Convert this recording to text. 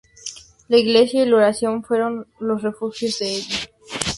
La Iglesia y la oración fueron los refugios de ella.